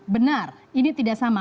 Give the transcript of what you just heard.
benar ini tidak sama